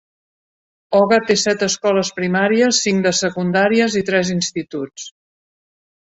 Oga té set escoles primàries, cinc de secundàries i tres instituts.